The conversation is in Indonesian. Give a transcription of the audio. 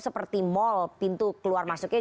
seperti mal pintu keluar masuknya